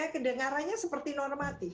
kedengarannya seperti normatif